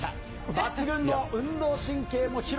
抜群の運動神経も披露。